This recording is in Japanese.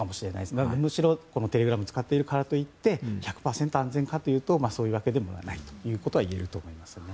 むしろ、テレグラムを使っているからといって１００％安全かというとそういうわけでもないことはいえると思います。